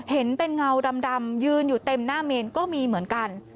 เห็นเป็นเงาดำยืนอยู่เต็มหน้าเมนก็มีเหมือนกัน